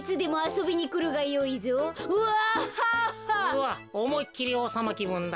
うわっおもいっきりおうさまきぶんだ。